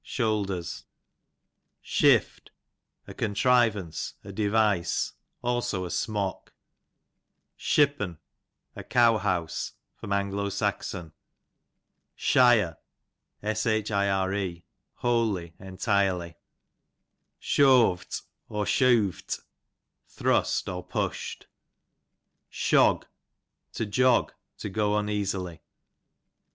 Shooders, I Shift, a contrivance, a device ; also a smock. Shipp'n, a cow house. A. S. Shire, wholly, entirely. Shoavt, or Sheawvt, thrust, or pushed. Shog, to jog, to go uneasily.